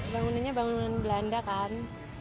bangunannya bangunan belanda kan